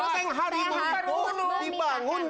teng harimau itu dibangun dua ribu enam belas